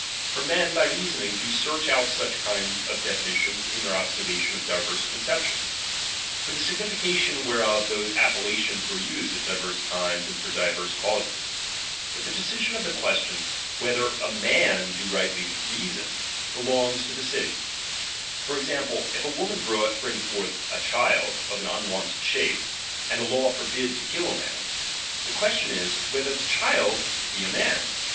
For men, by reasoning, do search out such ^H kind of definitions in their observation of diverse ^^M conceptions, for the signification whereof those ^^M appellations were used at diverse times and for di ^H verse causes. But the decision of the question, ^H whether a man do reason rightly, belongs to the ^^M city. For example, if a woman bring forth a child ^^H of an unwonted shape, and the law forbid to kill ^^H a man ; the question is, whether the child be a ^^H man.